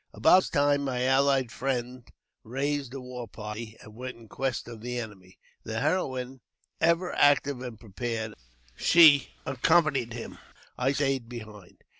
About this time my allied friend raised a war party, a went in quest of the enemy ; the heroine, ever active and pn pared, accompanying him. I stayed behind.